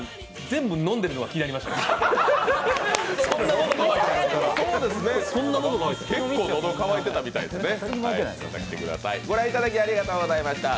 全部飲んでるのが気になりました。